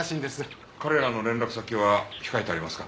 彼らの連絡先は控えてありますか？